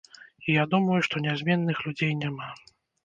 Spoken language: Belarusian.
І я думаю, што нязменных людзей няма.